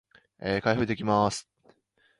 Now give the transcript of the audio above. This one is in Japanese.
開封できます